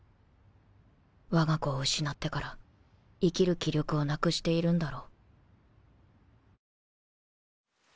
わが子を失ってから生きる気力をなくしているんだろう